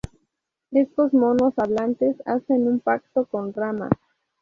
Estos monos hablantes hacen un pacto con Rama.